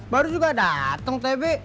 baru juga dateng t b